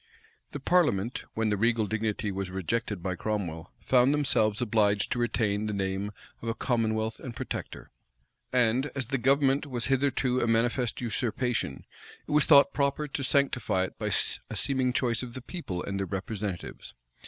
The parliament, when the regal dignity was rejected by Cromwell, found themselves obliged to retain the name of a commonwealth and protector; and as the government was hitherto a manifest usurpation, it was thought proper to sanctify it by a seeming choice of the people and their representatives.